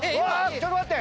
ちょっと待って。